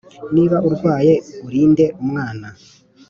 Niba urwaye urinde umwana